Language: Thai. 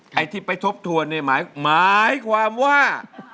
ใครที่ไปทบทัวร์นี่หมายความว่า